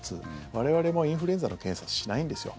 我々もインフルエンザの検査しないんですよ。